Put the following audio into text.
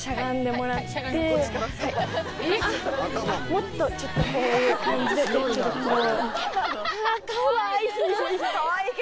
もっとちょっとこういう感じでもうちょっとこう。